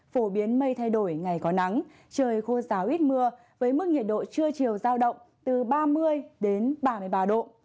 phổ biến mây thay đổi ngày có nắng trời khô ráo ít mưa với mức nhiệt độ trưa chiều giao động từ ba mươi đến ba mươi ba độ